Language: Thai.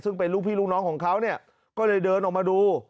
ซึ่งเป็นลูกพี่ลูกน้องของเขาเนี่ยก็เลยเดินออกมาดู